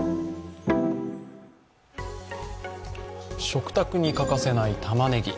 食卓に欠かせないたまねぎ。